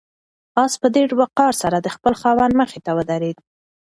آس په ډېر وقار سره د خپل خاوند مخې ته ودرېد.